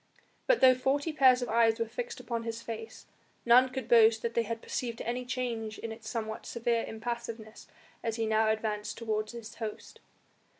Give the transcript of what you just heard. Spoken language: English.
But though forty pairs of eyes were fixed upon his face, none could boast that they had perceived any change in its somewhat severe impassiveness as he now advanced towards his host.